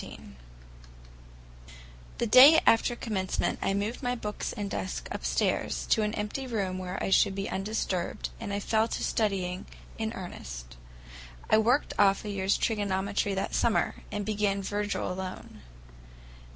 XIV THE day after Commencement I moved my books and desk upstairs, to an empty room where I should be undisturbed, and I fell to studying in earnest. I worked off a year's trigonometry that summer, and began Virgil alone.